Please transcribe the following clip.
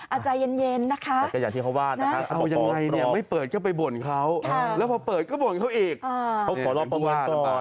อาจจะเย็นนะคะแต่ก็อย่างที่เขาว่านะคะ